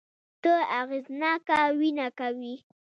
ته اغېزناکه وينه کوې